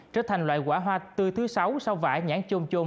trở thành loại quả hoa tươi thứ sáu sau vải nhãn chôm chôm